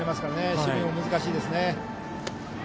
守備も難しいですね。